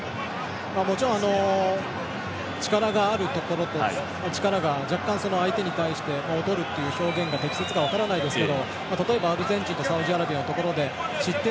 もちろん力があるところと力が若干、相手に対して劣るっていう表現が適切かは分からないですけどアルゼンチンとサウジアラビアのところで失点